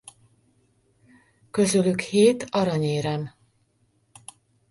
Közülük hét aranyérem.